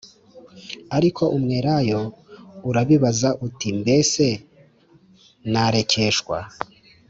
Ariko umwelayo urabibaza uti Mbese narekeshwa